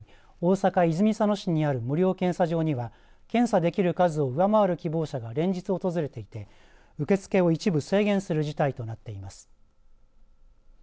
新型コロナウイルスの感染の急拡大に伴い大阪泉佐野市にある無料検査場には検査できる数を上回る希望者が連日、訪れていて受け付けを一部制限する事態となっています。